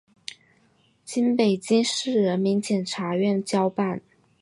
经北京市人民检察院交办